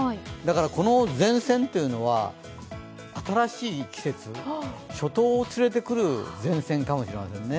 この前線というのは新しい季節初冬を連れてくる前線かもしれませんね。